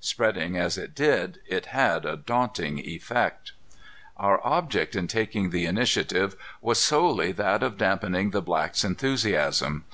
Spreading as it did, it had a daunting effect. Our object in taking the initiative was solely that of dampening the blacks' enthusiasm.